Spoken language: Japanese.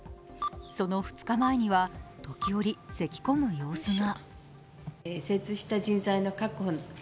その２日前には時折、せき込む様子が。